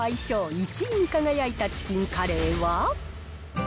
１位に輝いたチキンカレーは。